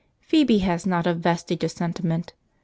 Phoebe has not a vestige of sentiment.